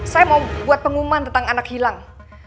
saya mau buat pengumuman tentang anak hilang